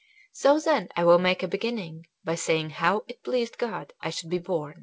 So then I will make a beginning by saying how it pleased God I should be born.